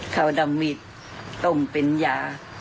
เขาดำมิดต้มเป็นยา